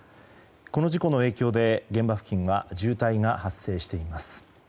この事故の影響で現場付近は渋滞が発生しています。